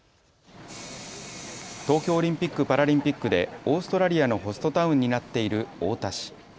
東京オリンピック・パラリンピックでオーストラリアのホストタウンになっている太田市。